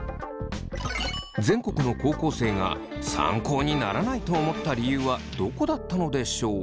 全国の高校生が参考にならないと思った理由はどこだったのでしょう？